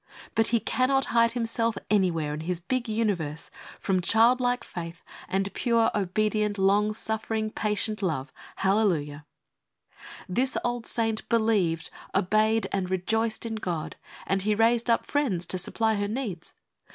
But He cannot hide Himself anywhere in His big universe from childlike faith and pure, obedient, long suffering, patient love. Hallelujah I THANKSGIViNCJ. This old saint believed, obeyed and rejoiced in God, and He raised up friends to supply her needs.